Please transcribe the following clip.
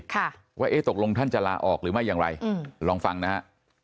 ค่ะว่าเอ๊ะตกลงท่านจะลาออกหรือไม่อย่างไรอืมลองฟังนะฮะ